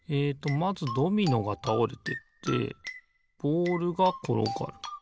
まずドミノがたおれてってボールがころがる。